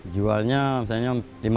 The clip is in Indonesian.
jualnya misalnya lima belas